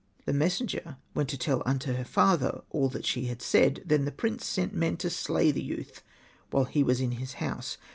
The messenger went to tell unto her father all that she said. Then the prince sent men to slay the youth, while he was in his house.